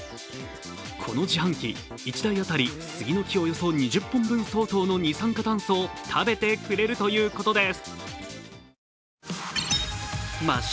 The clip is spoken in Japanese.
この自販機１台当たり、杉の木およそ２０本分相当の二酸化炭素を食べてくれるということです。